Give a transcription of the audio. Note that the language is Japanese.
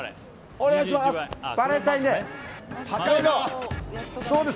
お願いします。